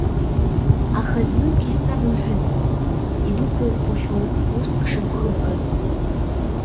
Аха зныкгьы исабымҳәаӡацт ибықәыӷәӷәахьоу уск шыбхыбгаз.